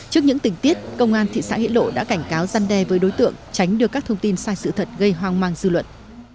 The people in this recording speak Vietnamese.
trước những tình tiết công an thị xã nghĩa lộ đã cảnh cáo răn đe với đối tượng tránh được các thông tin sai sự thật gây hoang mang dư luận